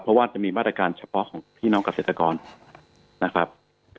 เพราะว่าจะมีมาตรการเฉพาะของพี่น้องเศรษฐกร